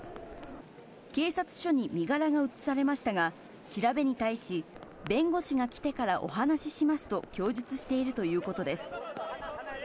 警察署に身柄が移されましたが、調べに対し、弁護士が来てからお話ししますと供述しているということです。